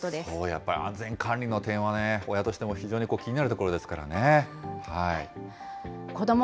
やっぱり安全管理の点はね、親としても非常に気になるところこども